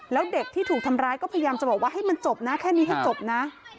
แล้วเด็กที่ถูกทำร้ายก็พยายามจะบอกว่าให้มันจบนะแค่นี้ให้จบนะ